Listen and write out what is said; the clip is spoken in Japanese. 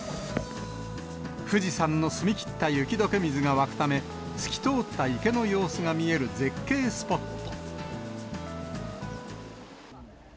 富士山の澄み切った雪どけ水が湧くため、透き通った池の様子が見える絶景スポット。